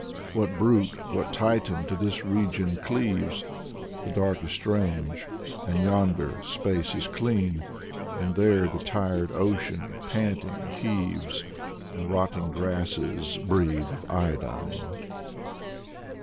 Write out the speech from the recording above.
What brute, what titan, to this region cleaves? The dark is strange ... and yonder, space is clean. And there the tired ocean, panting, heaves, And rotting grasses breathe of iodine.